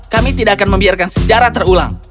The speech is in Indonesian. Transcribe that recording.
kami tidak akan membiarkan sejarah terulang